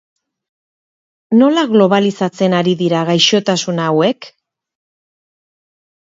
Nola globalizatzen ari dira gaixotasuna hauek?